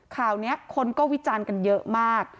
ข่าวนี้คนก็วิจารณ์กันเยอะมาก